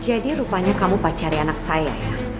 jadi rupanya kamu pacari anak saya ya